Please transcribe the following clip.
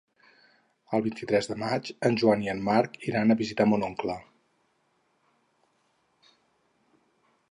El vint-i-tres de maig en Joan i en Marc iran a visitar mon oncle.